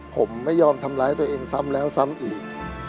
ผมไม่ยอมทำร้ายตัวเองซ้ำแล้วซ้ำอีก